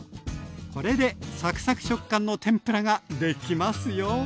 これでサクサク食感の天ぷらができますよ。